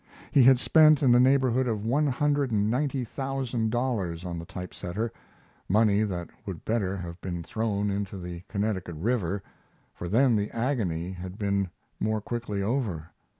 He had spent in the neighborhood of one hundred and ninety thousand dollars on the typesetter money that would better have been thrown into the Connecticut River, for then the agony had been more quickly over.